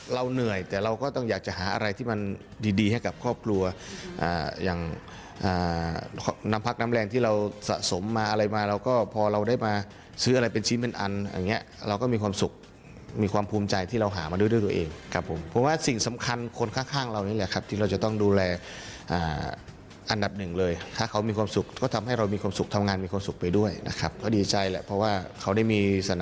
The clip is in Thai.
เหนื่อยแต่เราก็ต้องอยากจะหาอะไรที่มันดีดีให้กับครอบครัวอย่างน้ำพักน้ำแรงที่เราสะสมมาอะไรมาเราก็พอเราได้มาซื้ออะไรเป็นชิ้นเป็นอันอย่างเงี้ยเราก็มีความสุขมีความภูมิใจที่เราหามาด้วยด้วยตัวเองครับผมเพราะว่าสิ่งสำคัญคนข้างเรานี่แหละครับที่เราจะต้องดูแลอันดับหนึ่งเลยถ้าเขามีความสุขก็ทำให้เรามีความสุขทำงานมีความสุขไปด้วยนะครับก็ดีใจแหละเพราะว่าเขาได้มีสน